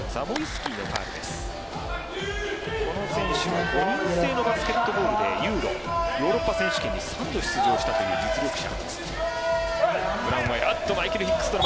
この選手も５人制のバスケットボールでＥＵＲＯヨーロッパに４度出場したという実力者。